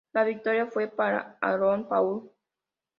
La victoria fue para Aaron Paul.